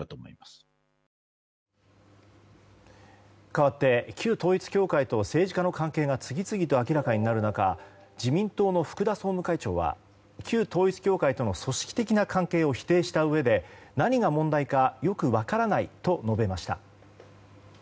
かわって旧統一教会と政治家の関係が次々と明らかになる中自民党の福田総務会長は旧統一教会との組織的な関係を否定したうえで、何が問題かよく分からないと述べました。